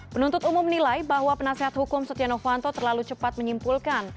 penuntut umum menilai bahwa penasehat hukum setia novanto terlalu cepat menyimpulkan